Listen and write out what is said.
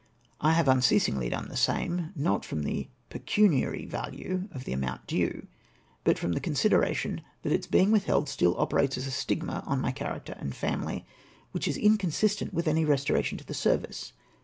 I have unceasingly done the same, not from the pecu niary value of the amount due, but from the considera tion that its bemg withheld still operates as a stigma on my character and family, which is inconsistent with any restoration to the service.